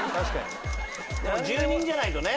やっぱ住人じゃないとね。